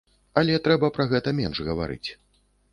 Але трэба пра гэта менш гаварыць.